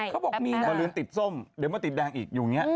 เขาบอกมีนะมาลืมติดส้มเดี๋ยวมาติดแดงอีกอยู่อย่างนี้